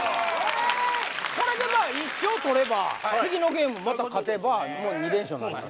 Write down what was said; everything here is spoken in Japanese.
これでまあ１勝とれば次のゲームまた勝てばもう２連勝になります